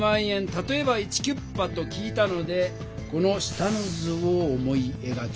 たとえばイチキュッパ」と聞いたのでこの下の図を思いえがきました。